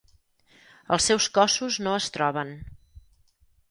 Els seus cossos no es troben.